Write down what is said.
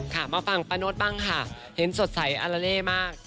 มาฟังป้านดบ้างค่ะเห็นสดใสอาลาเล่มาก